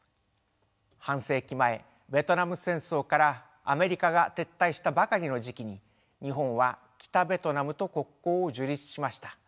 半世紀前ベトナム戦争からアメリカが撤退したばかりの時期に日本は北ベトナムと国交を樹立しました。